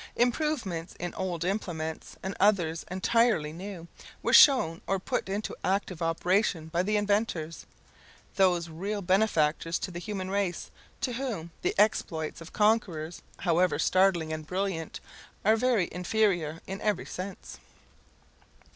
Improvements in old implements, and others entirely new, were shown or put into active operation by the inventors, those real benefactors to the human race, to whom the exploits of conquerors, however startling and brilliant, are very inferior in every sense.